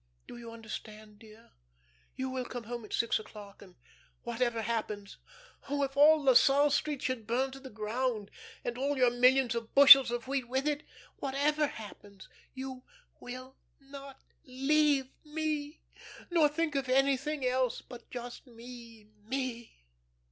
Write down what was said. Do you understand, dear? You will come home at six o'clock, and whatever happens oh, if all La Salle Street should burn to the ground, and all your millions of bushels of wheat with it whatever happens, you will not leave me nor think of anything else but just me, me.